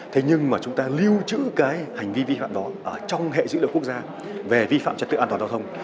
thế nhưng mà chúng ta lưu trữ cái hành vi vi phạm đó trong hệ dữ liệu quốc gia về vi phạm trật tự an toàn giao thông